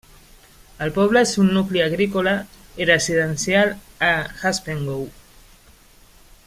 El poble és un nucli agrícola i residencial a Haspengouw.